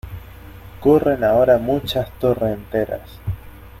corren ahora muchas torrenteras.